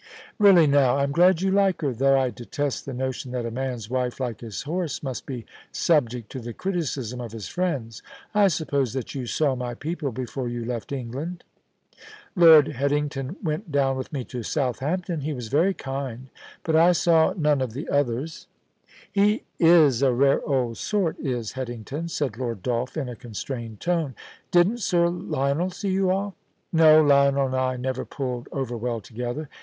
* Really now, I'm glad you like her, though I detest the notion that a man's wife, like his horse, must be subject to the criticism of his friends. I suppose that you saw my people before you left England ?Lord Headington went down with me to Southampton — he was very kind — but I saw none of the others.* 62 POLICY AND PASSION, * He is a rare old sort is Headington/ said Lord Dolph in a constrained tone. * Didn't Sir Lionel see you off?* * No ; Lionel and I never pulled over well together.